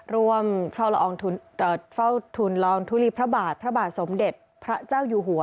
ร่วมเฝ้าทุนลองทุลีพระบาทพระบาทสมเด็จพระเจ้าอยู่หัว